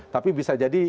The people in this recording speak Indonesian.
tapi bisa jadi